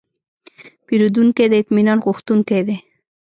پیرودونکی د اطمینان غوښتونکی دی.